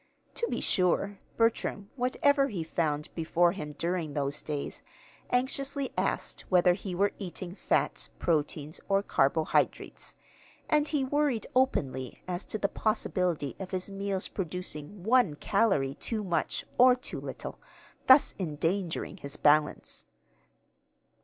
To be sure, Bertram, whatever he found before him during those days, anxiously asked whether he were eating fats, proteins, or carbohydrates; and he worried openly as to the possibility of his meal's producing one calory too much or too little, thus endangering his "balance."